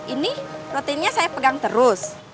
ini rutinnya saya pegang terus